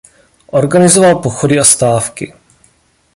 Organizoval pochody a stávky.